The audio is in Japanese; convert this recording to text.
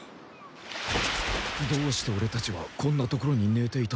どうしてオレたちはこんな所にねていたんだ？